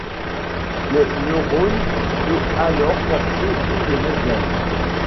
Le neurone peut alors passer ligne médiane.